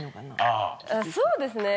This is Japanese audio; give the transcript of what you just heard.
あそうですね。